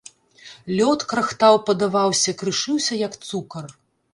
Лёд крахтаў, падаваўся, крышыўся як цукар.